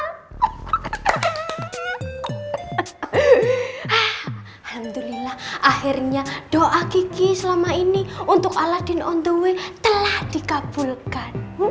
alhamdulillah akhirnya doa kiki selama ini untuk aladin on the way telah dikabulkan